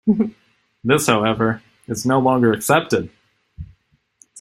This, however, is no longer accepted.